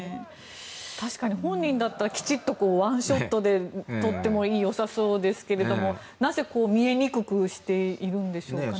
確かに本人だったらきちっとワンショットで撮ってもよさそうですけどなぜ見えにくくしているんでしょうかね。